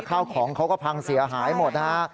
ข้าวของเขาก็พังเสียหายหมดนะฮะ